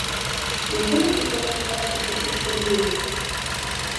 Няўжо наш нацыянальны характар такі сварлівы?